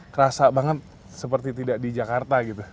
kerasa banget seperti tidak di jakarta gitu